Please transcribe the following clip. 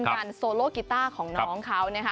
สวัสดีค่ะ